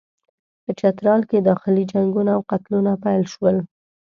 په چترال کې داخلي جنګونه او قتلونه پیل شول.